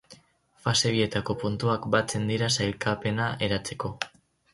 Fase bietako puntuak batzen dira sailkapena eratzeko.